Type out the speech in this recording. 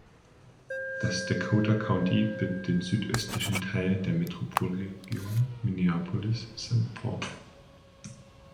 Das Dakota County bildet den südöstlichen Teil der Metropolregion Minneapolis-Saint Paul.